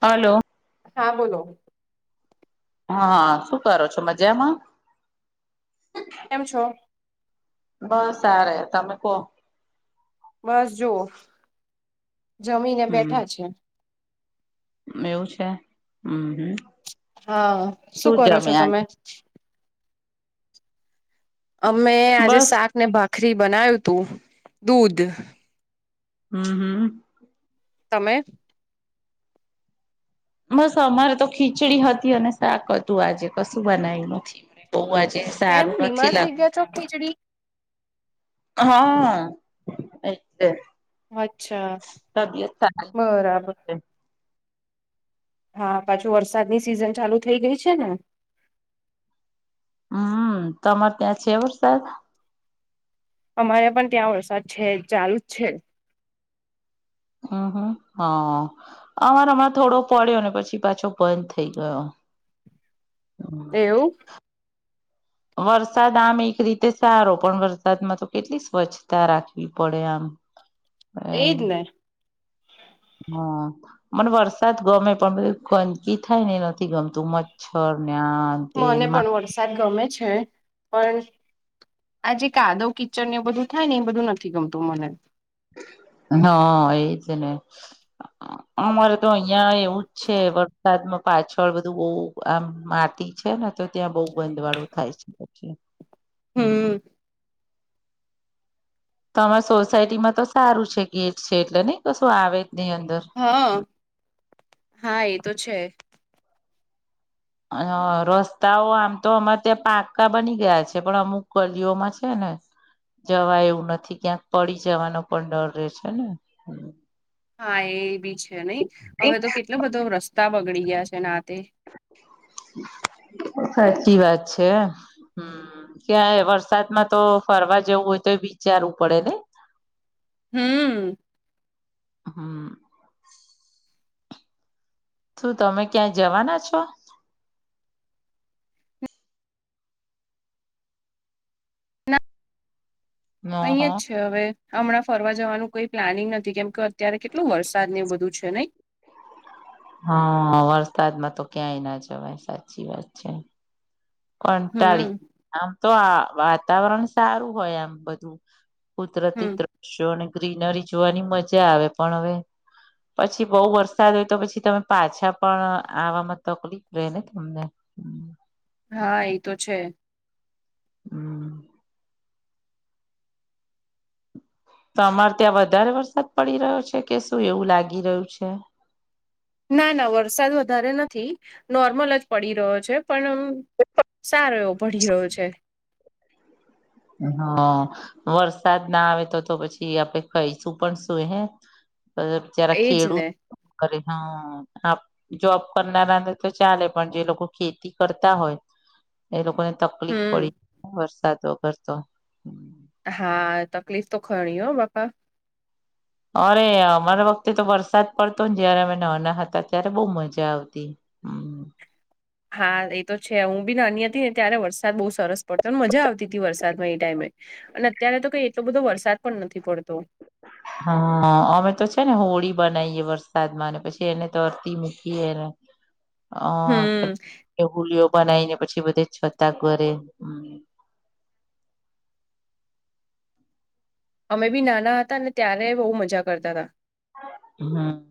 Hello. હા, બોલો. હા હા શું કરો છો, મજામાં? કેમ છો? બસ સારે તમે કો. બસ જુવો, જમીને હમ બેઠા છે. એવું છે હમ્મ હમ્મ. હા, શું કરો છો તમે? અમે આજે બસ શાક ને ભાખરી બનાય્યું તું દૂધ હમ્મ, હમ્મ. તમે? બસ અમારે તો ખીચડી હતી અને શાક હતું આજે કશું બનાય્યું નથી બહ આજે ને કેમ સારું બીમાર નથી લા થઈ ગયા છો ખીચડી હા એ છે. અચ્છા, સારી બરાબર. હા, પાછું વરસાદની સિઝન ચાલુ થઇ ગઈ છે ને. હમ્મ, તમારે ત્યાં છે વરસાદ? અમારે પણ ત્યાં વરસાદ છે, ચાલુ જ છે. હમ્મ હમ્મ હા અમાર હમાર થોડો પડ્યો ને પછી પાછો બંધ થઈ ગયો. હમ એવું? વરસાદ આમ એક રીતે સારો પણ વરસાદમાં તો કેટલી સ્વચ્છ તા રાખવી પડે આમ. એ એદને. હા. મને વરસાદ ગમે પણ બધું ગંદકી થાય ને નથી ગમતું મચ્છર ને આ તે મને પણ વરસાદ ગમે છે. પણ આ જે કાદવ કીચડ ને એ બધું થાય ને એ બધું નથી ગમતું મને. હા, એજ ને અમારે તો અહિયાં એવું છે વરસાદમાં પાછળ બધું બહુ આમ માટી છે ને તો ત્યાં બહુ ગંધવાળો થાય છે. છે. હમ્મ. તો તમારે સોસાયટીમાં તો સારું છે ગેટ છે એટલે નહી કશું આવે જ નહી અંદર. હઅ હા એ તો છે. હા અહ રસ્તાઓ આમ તો અમા ત્યાં પાકા બની ગયા છે પણ અમુક ગલીઓમાં છે ને જવા એવું નથી ક્યાંક પડી જવાનો પણ ડર રહે છે ને હમ્મ. હા એ બી છે નહી હવે તો કેટલો બધો રસ્તા બગડી ગયા છે ને આ તે હાચી વાત છે આ. હમ્મ ક્યાંય વરસાદમાં તો ફરવા જવું હોય તો એ વિચારવું પડે ને? હમ્મ. હમ્મ. શું તમે ક્યાં જવાના છો? ના અહીં જ ઓહો છે હવે. હમણાં ફરવા જવાનું કોઈ પ્લાનિંગ નથી કેમ કે અત્યારે કેટલું વરસાદ ને એ બધું છે નહી? હા, વરસાદમાં તો ક્યાંય ના જવાય સાચી વાત છે. કંટાળી હમ આમ તો આ વાતાવરણ સારું હોય આમ બધું. હમ કુદરતી દ્રશ્યો અને ગ્રીનરી જોવાની મજા આવે પણ હવે પછી બહુ વરસાદ હોય તો પછી તમે પાછા પણ આવામાં તકલીફ રહે ને તમને. હા, એ તો છે. હમ્મ. તો અમારે ત્યાં વધારે વરસાદ પડી રહ્યો છે કે શું એવું લાગી રહ્યું છે. ના, ના વરસાદ વધારે નથી, નોર્મલ જ પડી રહ્યો છે. પણ આમ સારો એવો પડી રહ્યો છે. હા. વરસાદ ના આવે તો-તો પછી આપડે કઈશું પણ શું હે. તો-તો બિચારા એજ ખેડૂત ને [unintelligible] આપ જોબ કરનારાને તો ચાલે પણ જે લોકો ખેતી કરતા હોય એ લોકોને તકલીફ હમ પડી વરસાદ વગર તો. હા તકલીફ તો ખરી હો બાપા. અરે અમારા વખતે તો વરસાદ પડતો ને જયારે અમે નાના હતા ત્યારે બહુ મજા આવતી. હમ્મ. હા એ તો છે. હું બી નાની હતી ને ત્યારે વરસાદ બહુ સરસ પડતો, ને મજા આવતી તી તી વરસાદમાં ઈ ટાઈમે. અને અત્યારે તો કંઈ એટલો બધો વરસાદ પણ નથી પડતો. હા અમે તો છે ને હોળી બનાઈએ વરસાદમાંને પછી એને તરતી મૂકીએને. [inaudible] અહ હમ હુલીઓ બનાઈને પછી બધે છતાં કરે. અમે બી નાના હતા ને ત્યારે બહુ મજા કરતા તા. હમ્મ.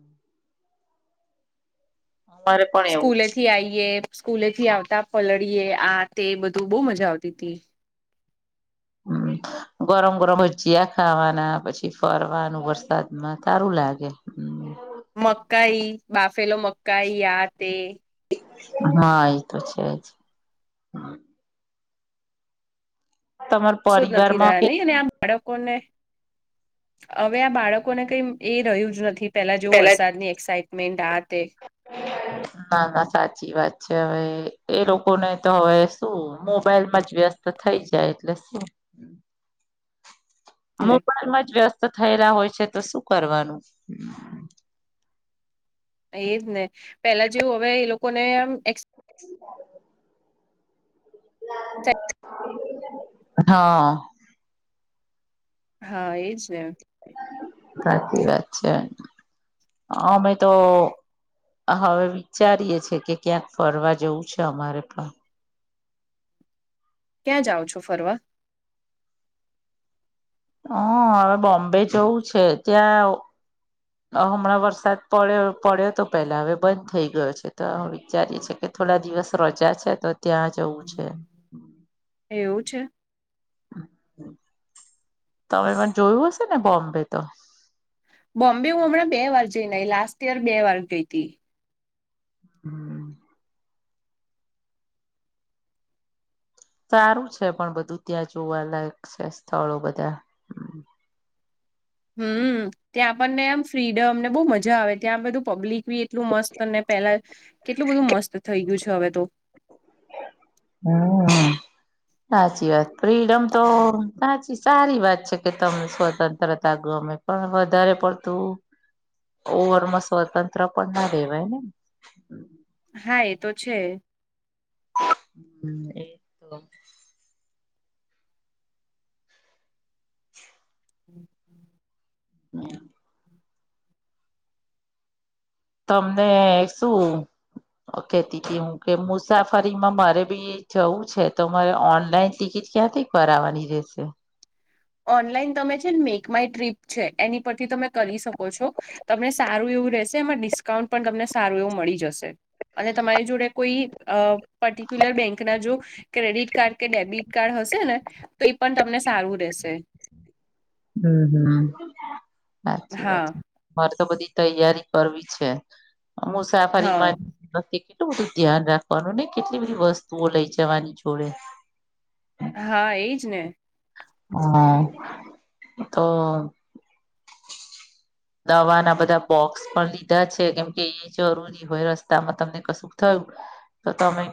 મારે પ સ્કૂલે થી આઈએ, સ્કૂલે થી આવતા પલળીએ, આ તે બધું બહુ મજા આવતી તી તી. હમ્મ. ગરમ-ગરમ ભજીયા ખાવાના, પછી ફરવાનું વરસાદમાં સારું લાગે. હમ્મ મકાઈ, બાફેલો મકાઈ આ તે. હા ઈ તો છે જ. તમાર સો જ નથી પરિવારમાં રહ્યા નહીં ને કેટલા આમ બાળકોને, હવે આ બાળકોને કંઈ એ રહ્યું જ નથી. પેલા જેવું વરસાદની એક્સાાઈટમેન્ટ, આ તે. ના, ના સાચી વાત છે. હવે એ લોકોને તો હવે શું મોબાઈલમાં જ વ્યસ્ત તો થઈ જાય એટલે શું. મોબાઈલમાં જ વ્યસ્ત થયેલા હોય છે તો શું કરવાનું. એજ ને પેલા જેવું હવે એ લોકો ને આમ એક્સ [unintelligible] હા. હા, એજ ને. સાચી વાત છે. અમે તો હવે વિચારીએે છે કે ક્યાંક ફરવા જવું છે અમારે પણ. ક્યાં જાઓ છો ફરવા? અહ હવે બોમ્બે જવું છે ત્યાં હમણાં વરસાદ પડ્યો પડ્યો તો પેલા હવે બંધ થઈ ગયો છે તો હવે વિચારી છે કે થોડા દિવસ રજા છે તો ત્યાં જવું છે. એવું છે? તમે પણ જોયું હશે ને બોમ્બે તો? બોમ્બે હું હમણાં બે વાર જઈ ને આઈ. લાસ્ટ ઇયર બે વાર ગઈ તી. હમ્મ. સારું છે પણ બધું ત્યાં જોવાલાયક છે સ્થળો બધા હમ્મ. હમ્મ. ત્યાં પણને આમ ફ્રીડમ ને બહુ મજા આવે ત્યાં બધું પબ્લિક બી એટલું મસ્ત અને પહેલા કેટલું બધું મસ્ત થઈ ગયું છે હવે તો. હમ્મ. સાચી વાત ફ્રીડમ તો સાચી સારી વાત છે કે તમને સ્વતંત્રતા ગમે. પણ વધારે પડતું ઓવરમાં સ્વતંત્ર પણ ના રહેેવાય ને. હા એ તો છે. હમ એ તો [inaudible] હમ [inaudible] હ. તમને શું કેતી કે હું કે મુસાફરીમાં મારે બી જવું છે તો મારે ઓનલાઈન ટિકિટ ક્યાંથીક વાર આવવાની રહેશે? ઓનલાઈન તમે છેને મેક માય ટ્રીપ છે એની પરથી તમે કરી શકો છો. તમને સારું એવું રહેશે એમાં ડિસ્કાઉન્ટ પણ તમને સારું એવું મળી જશે. અને તમારી જોડે કોઈ પર્ટિક્યુલર બેંક ના જો ક્રેડિટ કાર્ડ કે ડેબિટ કાર્ડ હશે ને, તો એ પણ તમને સારું રહેેશે. હમ હમ સાચી વાત. હા મારે તો બધી તૈયારી કરવી છે, મુસાફરી હા માં વતે કેટલું બધું ધ્યાન રાખવાનું ને કેટલી બધી વસ્તુઓ લઈ જવાની જોડે. હા એજ ને. હા તો. દવા ના બધા બોક્સ પણ લીધા છે કેમ કે એ જરૂરી. હોય રસ્તામાં તમને કશું થયું, તો તમે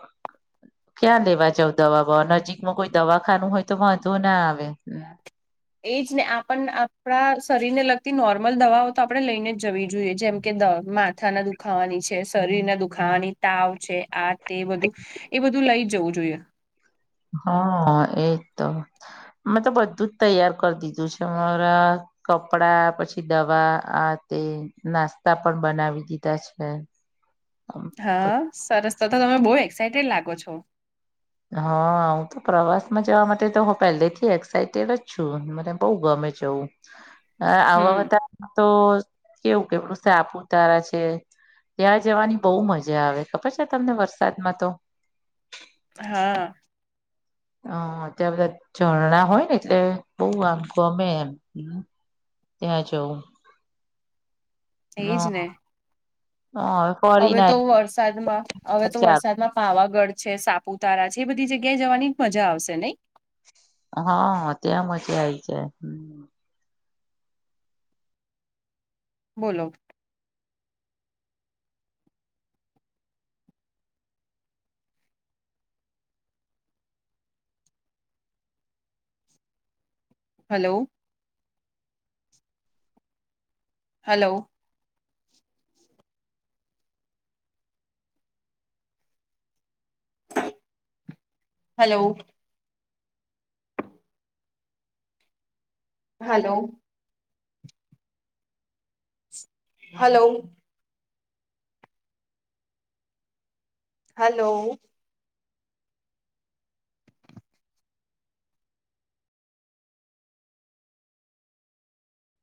ક્યાં લેવા જાવ દવા નજીકમાં કોઈ દવાખાનું હોય તો વાંધો ના આવે. એજ ને આપણ આપણા શરીર ને લગતી નોર્મલ દવાઓ તો આપણે લઈને જવી જોઈએ જેમ કે દ માથાના દુ દુખાવાની છે શરીરને દુખાવાની તાવ છે આ તે બધું, એ બધું લઈ જવું જોઈએ. હા એજ તો મેં તો બધું જ તૈયાર કરી દીધું છે મામારા કપડા પછી દવા આ તે નાસ્તા પણ બનાવી દીધા છે. હા સરસ તો તો તમે બહુ એક્સાઈટેડ લાગો છો. હા હું તો પ્રવાસમાં જવા માટે તો હું પહેલેથી એક્સાઈટેડ જ છું મને બઉુ ગમે જઉં. [inaudible] હ હમ આવાારા તો કેવું કેું સાપુતારા છે. ત્યાં જવાની બહુ મજા આવે ખબર છે તમને વરસાદમાં તો. હા. હ ત્યાં બધા ઝરણા હોય ને એટલે બહુ આંખું ગમે એમ ત્યાં જવું. એજ ને હા હા [unintelligible] હવે તો વરસાદમાં હવે તો વરસાદમાં પાવાગઢ છે, સાપ પુતારા છે એ બધી જગ્યાએ જવાની મજા આવશે નહી. હા ત્યાં મજા આવી જાય. બોલો. Hello. Hello hello. Hello. Hello. Hello.